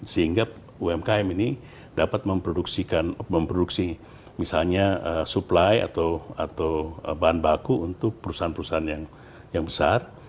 sehingga umkm ini dapat memproduksi misalnya supply atau bahan baku untuk perusahaan perusahaan yang besar